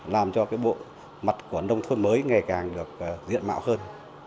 làm cho bộ mặt của nông thôn mới ngày càng được diện mạo hơn